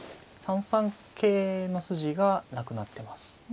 ３三桂の筋がなくなってます。